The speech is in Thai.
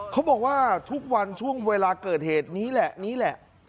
เขาบอกว่าทุกวันช่วงเวลาเกิดเหตุนี้แหละนี่แหละนี้แหละ